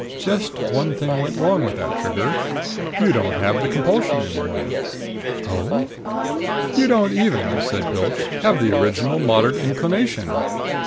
Just one thing went wrong with that, Trigger. You don't have the compulsion any more." "Oh?" "You don't even," said Pilch, "have the original moderate inclination.